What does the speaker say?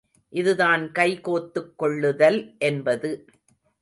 இதுதான் கை கோத்துக் கொள்ளுதல் என்பது.